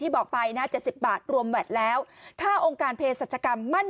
บอกไปนะ๗๐บาทรวมแวดแล้วถ้าองค์การเพศรัชกรรมมั่น